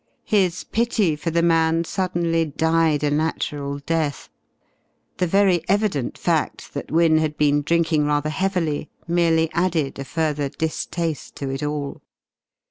His pity for the man suddenly died a natural death. The very evident fact that Wynne had been drinking rather heavily merely added a further distaste to it all.